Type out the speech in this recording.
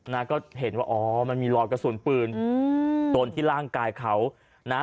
นะก็เห็นว่าอ๋อมันมีรอยกระสุนปืนอืมตนที่ร่างกายเขานะฮะ